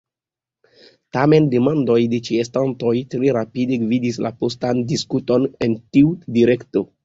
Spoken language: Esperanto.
Tamen demandoj de ĉeestantoj tre rapide gvidis la postan diskuton en tiu direkto.